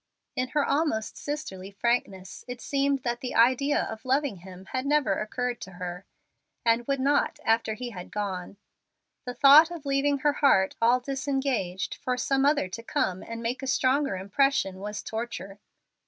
In her almost sisterly frankness it seemed that the idea of loving him had never occurred to her, and would not after he had gone. The thought of leaving her heart all disengaged, for some other to come and make a stronger impression, was torture.